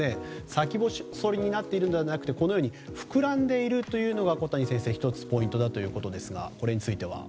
先細りになっているのではなくて膨らんでいるというのが小谷先生、１つポイントだということですがこれについては？